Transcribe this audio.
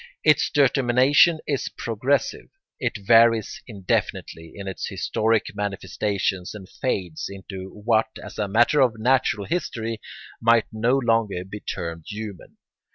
Its determination is progressive. It varies indefinitely in its historic manifestations and fades into what, as a matter of natural history, might no longer be termed human.